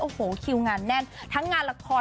โอ้โหคิวงานแน่นทั้งงานละคร